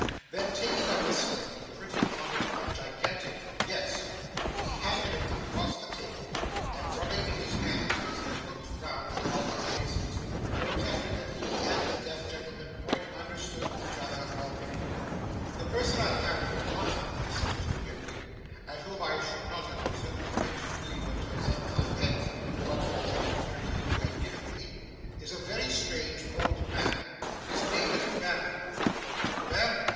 Then taking up the slate and printing on it a gigantic 'Yes,' he handed it across the table, and rubbing his hands as he looked round upon our faces, protested that he and the deaf gentleman quite understood each other, already. 'The person I have in my mind,' said Mr. Pickwick, 'and whom I should not have presumed to mention to you until some time hence, but for the opportunity you have given me, is a very strange old man. His name is Bamber.' 'Bamber!